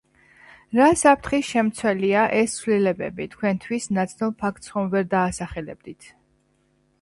რა საფთხის შემცველია ეს ცვლილებები თქვენთვის ნაცნობ ფაქტს ხომ ვერ დაასახელებდით